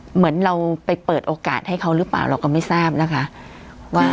เหมือนเราไปเปิดโอกาสให้เขาหรือเปล่าเราก็ไม่ทราบนะคะว่า